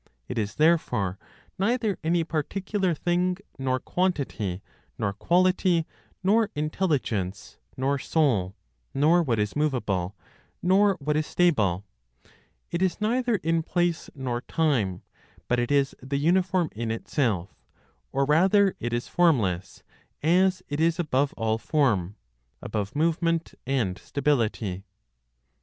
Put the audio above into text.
It is therefore neither any particular thing, nor quantity, nor quality, nor intelligence, nor soul, nor what is movable, nor what is stable; it is neither in place nor time; but it is the uniform in itself, or rather it is formless, as it is above all form, above movement and stability.